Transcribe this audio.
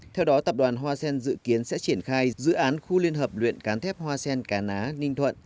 theo đó tập đoàn hoa xen dự kiến sẽ triển khai dự án khu liên hợp luyện cán thép hoa xen cà ná ninh thuận